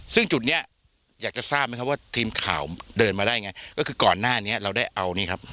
ซึ่งจุดเนี้ยอยากจะทราบไหมครับว่าทีมข่าวเดินมาได้ยังไงก็คือก่อนหน้านี้เราได้เอานี่ครับ